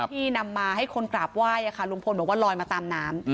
ที่นำมาให้คนกราบไหว้ลุงพลบอกว่าลอยมาตามน้ำ